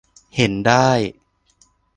เห็นได้